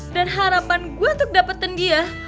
dan harapan gue untuk dapatin dia